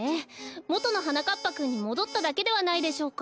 もとのはなかっぱくんにもどっただけではないでしょうか。